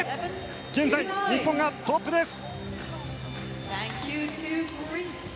現在、日本がトップです！